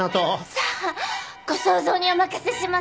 さあご想像にお任せします。